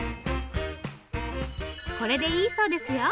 これでいいそうですよ。